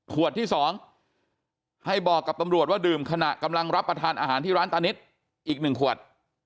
ที่๒ให้บอกกับตำรวจว่าดื่มขณะกำลังรับประทานอาหารที่ร้านตานิดอีก๑ขวด